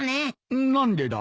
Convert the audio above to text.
何でだ？